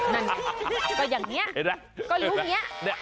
นั่นเนี่ยก็อย่างเงี้ย